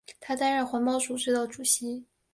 他担任环保组织的主席。